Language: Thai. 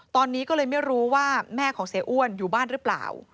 ตอนนี้ก็เลยไม่รู้ว่าแม่ของเสียอ้วนอยู่บ้านหรือเปล่า